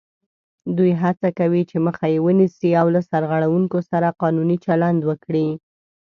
دوی هڅه کوي چې مخه یې ونیسي او له سرغړوونکو سره قانوني چلند وکړي